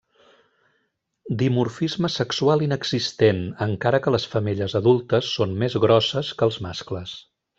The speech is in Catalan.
Dimorfisme sexual inexistent, encara que les femelles adultes són més grosses que els mascles.